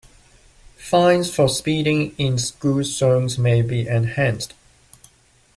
Fines for speeding in school zones may be enhanced.